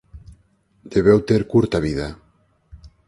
Debeu ter curta vida.